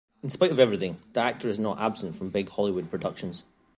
In spite of everything, the actor is not absent from big Hollywood productions.